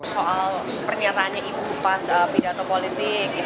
soal pernyataannya ibu pas pidato politik